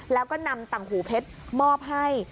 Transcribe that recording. แล้วก็นำตังหูเพชรมอบให้